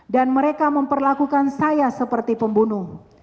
dan mereka memperlakukan saya seperti pembunuh